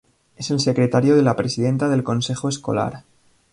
Es el secretario de la presidenta del Consejo Escolar.